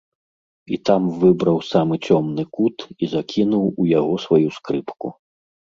І там выбраў самы цёмны кут і закінуў у яго сваю скрыпку.